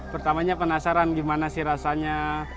pertamanya penasaran gimana sih rasanya